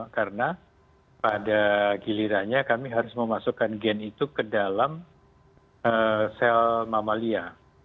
karena pada gilirannya kami harus memasukkan gen itu ke dalam sel mamalia